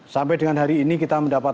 sampai dengan hari ini kita mendapat